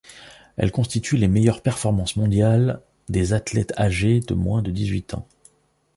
Elles constituent les meilleures performances mondiales des athlètes âgés de moins de dix-huit ans.